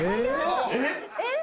えっ？